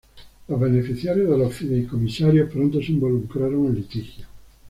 Los beneficiarios de los fideicomisarios pronto se involucraron en litigios.